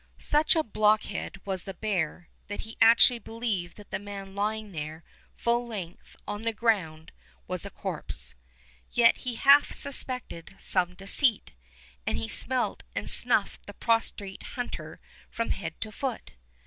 Such a blockhead was the bear that he actually believed that the man lying there full length on the ground was a corpse; yet he half suspected some deceit, and he smelt and snuffed the prostrate hunter from head to foot.